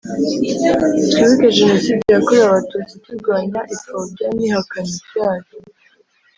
Twibuke Jenoside yakorewe Abatutsi turwanya ipfobya n ihakana ryayo